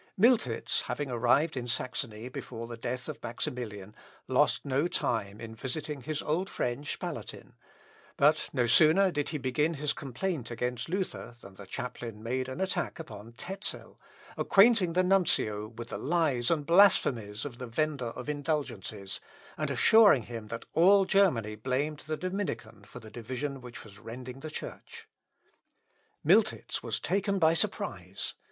[Sidenote: MILTITZ WITH SPALATIN. TEZEL'S TERROR.] Miltitz, having arrived in Saxony before the death of Maximilian, lost no time in visiting his old friend Spalatin; but no sooner did he begin his complaint against Luther than the chaplain made an attack upon Tezel, acquainting the nuncio with the lies and blasphemies of the vender of indulgences, and assuring him that all Germany blamed the Dominican for the division which was rending the Church. Miltitz was taken by surprise.